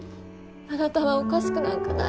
あなたはおかしくなんかない。